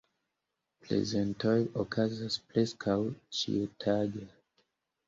Prezentoj okazas preskaŭ ĉiutage.